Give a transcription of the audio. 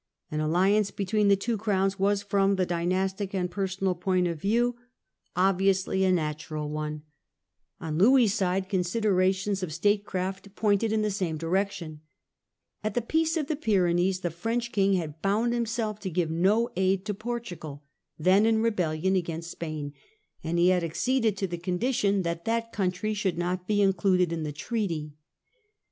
Aft alii 102 Relations of England with Continent 1661. ance between the two crowns was from the dynastic and personal point of view obviously a natural one. On Louis's side considerations of state craft nection with pointed in the same direction. At the Peace France. G f t h e Py renees the French King had bound himself to give no aid to Portugal, then in rebellion against Spain, and he had acceded to the condition that that country should not be included in the treaty.